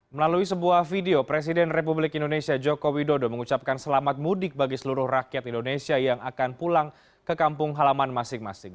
melalui sebuah video presiden republik indonesia joko widodo mengucapkan selamat mudik bagi seluruh rakyat indonesia yang akan pulang ke kampung halaman masing masing